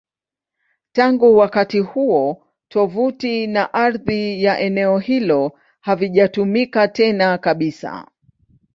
Tangu wakati huo, tovuti na ardhi ya eneo hilo havijatumika tena kabisa.